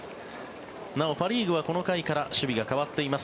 なおパ・リーグはこの回から守備が変わっています。